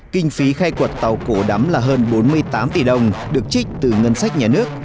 kinh phí khai quật tàu cổ đắm là hơn bốn mươi tám tỷ đồng được trích từ ngân sách nhà nước